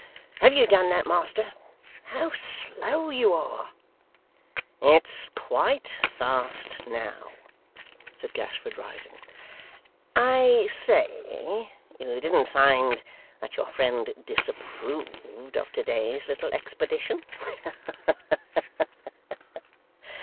Have you done that, master? How slow you are!' 'It's quite fast now,' said Gashford, rising. 'I say you didn't find that your friend disapproved of to day's little expedition?